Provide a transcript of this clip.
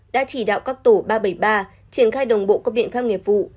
đã chỉ đạo các tổ ba trăm bảy mươi ba triển khai đồng bộ cấp điện pháp nghiệp vụ